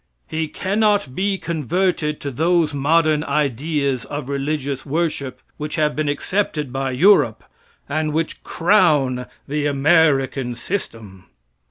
He cannot be converted to those modern ideas of religious worship which have been accepted by Europe, and which crown the American system."